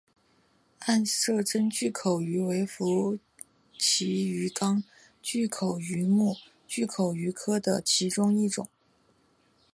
暗色真巨口鱼为辐鳍鱼纲巨口鱼目巨口鱼科的其中一种。